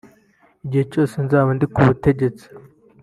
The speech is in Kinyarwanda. igihe cyose nzaba ndi ku butegetsi